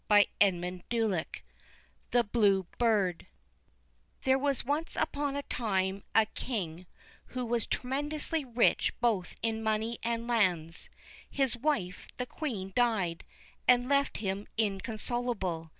80 THE BLUE BIRD THE BLUE BIRD A FRENCH FAIRY TALE THERE was once upon a time a King who was tremendously rich both in money and lands. His wife, the Queen, died, and left him inconsolable.